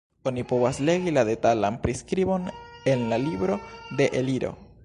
Oni povas legi la detalan priskribon en la libro de Eliro.